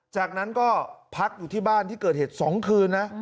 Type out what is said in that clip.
จากนั้นก็พักอยู่ที่บ้านที่เกิดเหตุ๒คืนนะ